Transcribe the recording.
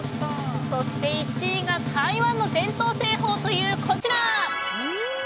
そして１位が台湾の伝統製法というこちら。